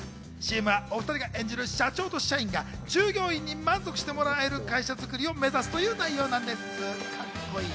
ＣＭはお２人が演じる、社長と社員が従業員に満足してもらえる会社づくりを目指すという内容なんです。